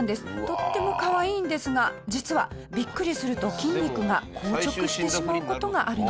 とってもかわいいんですが実はビックリすると筋肉が硬直してしまう事がある